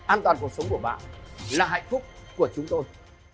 an toàn cuộc sống của bạn là hạnh phúc của chúng tôi